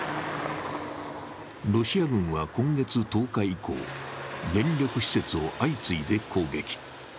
ロシア軍は今月１０日以降、電力施設を相次いで攻撃。